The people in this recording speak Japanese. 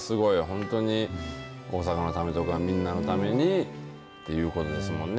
本当に大阪のためとかみんなのためにということですもんね。